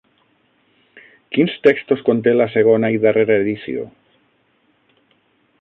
Quins textos conté la segona i darrera edició?